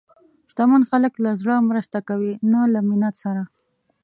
شتمن خلک له زړه مرسته کوي، نه له منت سره.